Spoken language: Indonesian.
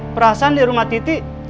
perasaan di rumah titik